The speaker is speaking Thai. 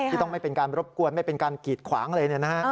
ที่ต้องไม่เป็นการรบกวนไม่เป็นการกีดขวางอะไร